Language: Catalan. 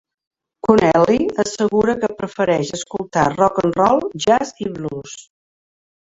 Connelly assegura que prefereix escoltar rock and roll, jazz i blues.